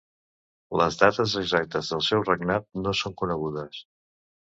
Les dates exactes del seu regnat no són conegudes.